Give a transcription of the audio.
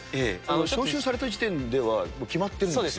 招集された時点では決まってるんですよ。